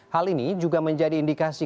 hal ini juga menjadi indikasi